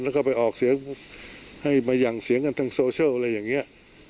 แล้วก็ไปออกเสียงให้มาหยั่งเสียงกันทางโซเชียลอะไรอย่างนี้